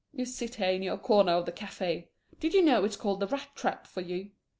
You sit here in your corner of the cafê did you know it's called "The Rat Trap" for you?